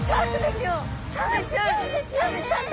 サメちゃん！